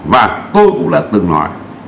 và tôi cũng đã từng nói